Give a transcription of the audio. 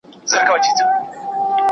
په هر ممکن کار کي مثبت فکر وکړئ.